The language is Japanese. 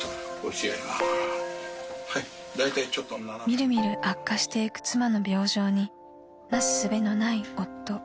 ［見る見る悪化してゆく妻の病状になすすべのない夫］